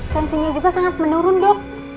tensinya juga sangat menurun dok